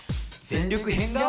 全力変顔！」